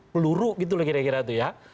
peluru gitu lah kira kira itu ya